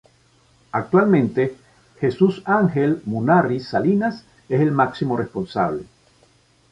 Actualmente Jesús Ángel Munárriz Salinas es el máximo responsable.